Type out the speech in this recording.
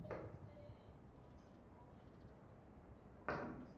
আপনার জীবনকে একদম উল্টে দিবে।